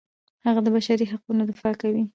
هغه د بشري حقونو دفاع کوي.